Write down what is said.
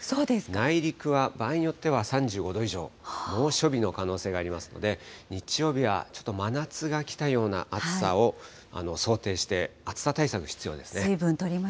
内陸は場合によっては３５度以上、猛暑日の可能性がありますので、日曜日はちょっと真夏が来たような暑さを想定して、暑さ対策必要ですね。